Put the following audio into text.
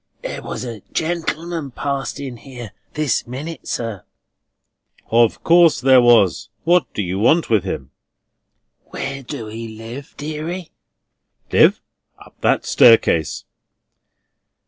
"There was a gentleman passed in here this minute, sir." "Of course there was. What do you want with him?" "Where do he live, deary?" "Live? Up that staircase."